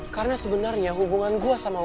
karena sebenernya hubungan gue sama ulan